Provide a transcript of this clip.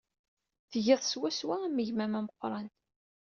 Tgiḍ swaswa am gma-m ameqran.